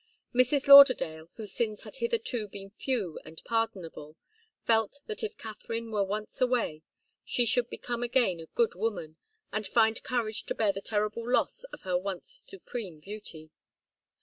Mrs. Lauderdale, whose sins had hitherto been few and pardonable, felt that if Katharine were once away, she should become again a good woman, and find courage to bear the terrible loss of her once supreme beauty.